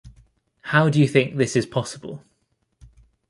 How do you think this is possible?